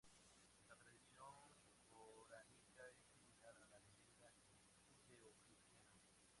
La tradición coránica es similar a la leyenda judeocristiana.